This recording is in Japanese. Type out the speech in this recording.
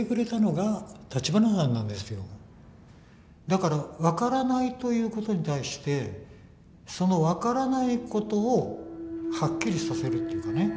だから分からないということに対してその分からないことをはっきりさせるっていうかね。